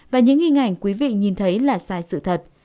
và những hình ảnh quý vị nhìn thấy là sai sự thật